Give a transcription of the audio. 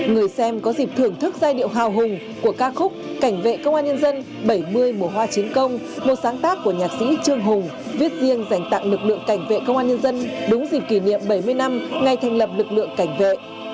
người xem có dịp thưởng thức giai điệu hào hùng của ca khúc cảnh vệ công an nhân dân bảy mươi mùa hoa chiến công một sáng tác của nhạc sĩ trương hùng viết riêng dành tặng lực lượng cảnh vệ công an nhân dân đúng dịp kỷ niệm bảy mươi năm ngày thành lập lực lượng cảnh vệ